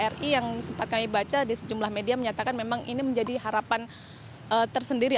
ri yang sempat kami baca di sejumlah media menyatakan memang ini menjadi harapan tersendiri